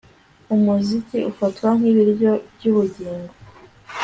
Umuziki ufatwa nkibiryo byubugingo